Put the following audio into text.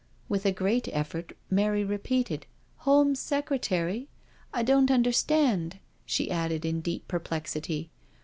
With a great effort Mary repeated: " Home Secretary? I don't understand/' she added in deep perplexity.